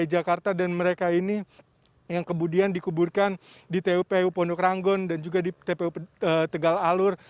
dki jakarta dan mereka ini yang kemudian dikuburkan di tpu pondok ranggon dan juga di tpu tegal alur